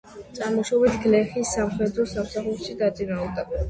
წარმოშობით გლეხი, სამხედრო სამსახურში დაწინაურდა.